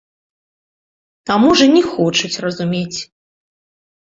А можа не хочуць разумець!